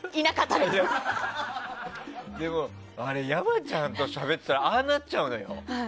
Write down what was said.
でも山ちゃんとしゃべってたらああなっちゃうのよ。